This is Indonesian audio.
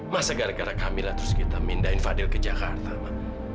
masa gara gara kamilah terus kita pindahin fadil ke jakarta ma